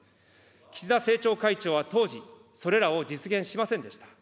岸田政調会長は当時、それらを実現しませんでした。